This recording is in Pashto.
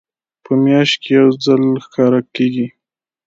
په میاشت کې یو ځل ښکاره کیږي.